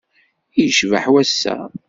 I yecbeḥ wass-a!